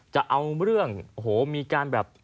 จะเอาเรื่องโอ้โหมีการแบบ